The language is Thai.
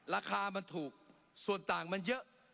ราคามันถูกส่วนต่างมันเยอะ